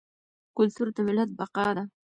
کلتور د ملت بقا ده.